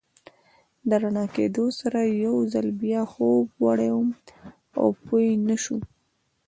له رڼا کېدو سره یو ځل بیا خوب وړی وم او پوه نه شوم.